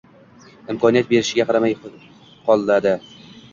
Imkoniyat berishiga qaramay qoladi.